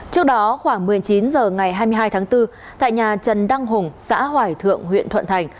trước đó khoảng một mươi chín h ngày hai mươi hai tháng bốn tại nhà trần đăng hùng xã hoài thượng huyện thuận thành